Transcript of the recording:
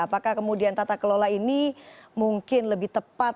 apakah kemudian tata kelola ini mungkin lebih tepat